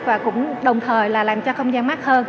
và cũng đồng thời là làm cho không gian mắt hơn